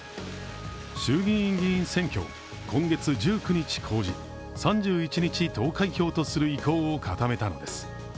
衆議院議員選挙を今月１９日公示３１日投開票とする意向を固めたのです。